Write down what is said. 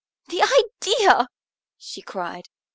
"The idea!" she cried.